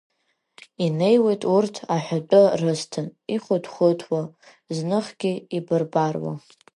Инеиуеит урҭ аҳәатәы рысҭан, ихәыҭхәыҭуа, зныхгьы ибарбаруа.